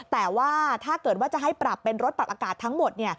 แต่ว่าถ้าเกิดว่าจะให้ปรับเป็นรถปรับอากาศทั้งหมด